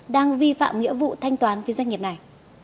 đang vi phạm nghĩa vụ thanh toán với doanh nghiệp này